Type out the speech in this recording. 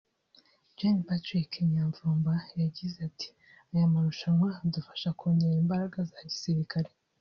Gen Patrick Nyamvumba yagize ati " Aya marushanwa adufasha kongera imbaraga za gisirikare